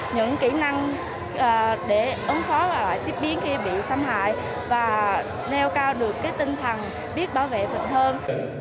những kỹ năng để ứng phó và tiếp biến khi bị xâm hại và neo cao được tinh thần biết bảo vệ thật hơn